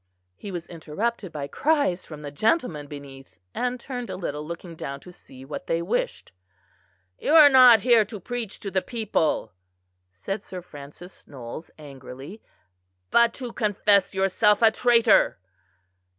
He was interrupted by cries from the gentlemen beneath, and turned a little, looking down to see what they wished. "You are not here to preach to the people," said Sir Francis Knowles, angrily, "but to confess yourself a traitor."